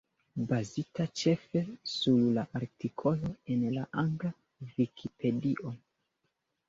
Bazita ĉefe sur la artikolo en la angla Vikipedio.